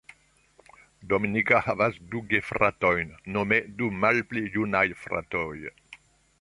Dominika havas du gefratojn, nome du malpli junajn fratojn.